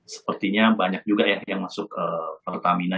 sepertinya banyak juga ya yang masuk ke pertamina